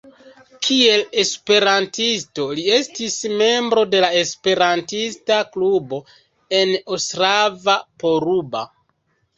Kiel esperantisto li estis membro de la esperantista klubo en Ostrava-Poruba.